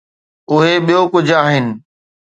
اهي ٻيو ڪجهه آهن.